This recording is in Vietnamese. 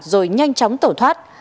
rồi nhanh chóng tổ thoát